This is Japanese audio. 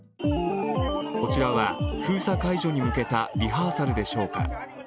こちらは封鎖解除に向けたリハーサルでしょうか。